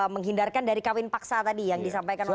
menghindarkan dari kawin paksa tadi yang disampaikan oleh